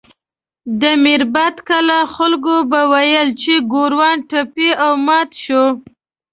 د میربت کلا خلکو به ویل چې ګوروان ټپي او مات شو.